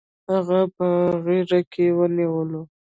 هغه په غېږ کې ونیولم.